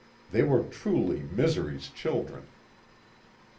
They were truly misery's children.